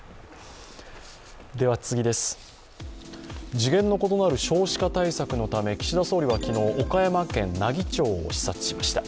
次元の異なる少子化対策のため、岸田総理は昨日岡山県奈義町を視察しました。